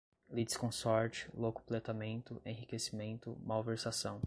litisconsorte, locupletamento, enriquecimento, malversação